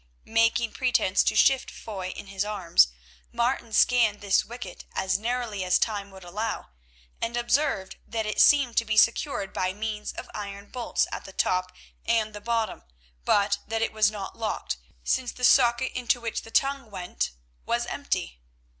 Making pretence to shift Foy in his arms, Martin scanned this wicket as narrowly as time would allow, and observed that it seemed to be secured by means of iron bolts at the top and the bottom, but that it was not locked, since the socket into which the tongue went was empty.